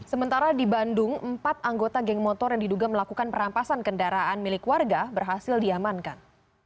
sementara di bandung empat anggota geng motor yang diduga melakukan perampasan kendaraan milik warga berhasil diamankan